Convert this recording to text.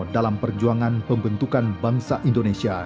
dalam perjuangan pembentukan bangsa indonesia